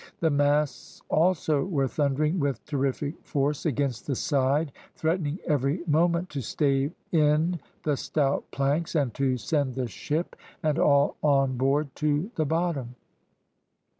The masts, also, were thundering with terrific force against the side, threatening every moment to stave in the stout planks, and to send the ship and all on board to the bottom.